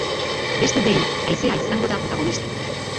Beste behin, haizea izango da protagonista.